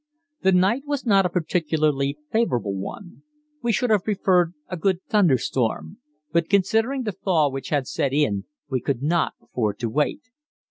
The night was not a particularly favorable one; we should have preferred a good thunderstorm, but considering the thaw which had set in we could not afford to wait.